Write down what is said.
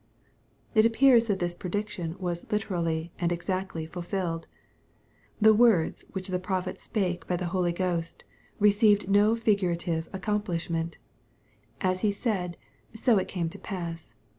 It appears that this prediction was literally and ex actly fulfilled. The words which the prophet spake by the Holy Ghost received no figurative accomplishment. As he said, so it came to pass.